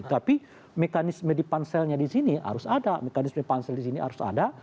tapi mekanisme di panselnya di sini harus ada mekanisme pansel di sini harus ada